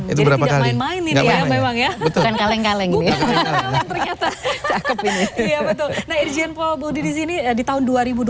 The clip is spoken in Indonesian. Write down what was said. ini berapa kali main main ya memang ya betul kaleng kaleng ya betul nah ini di tahun dua ribu dua puluh tiga